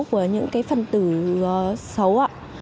của những cái phần tử xấu